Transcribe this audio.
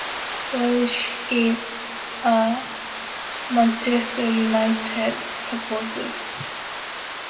Welsh is a Manchester United supporter.